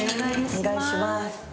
お願いします